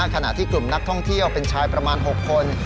ขณะที่กลุ่มนักท่องเที่ยวเป็นชายประมาณ๖คน